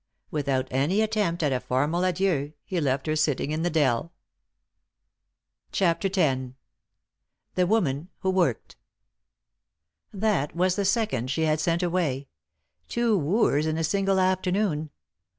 Without any attempt at a formal adieu he left her sitting in the dell. 92 3i 9 iii^d by Google CHAPTER X THE WOMAN WHO WORKED THAT was the second she had sent away ; two wooers in a single afternoon.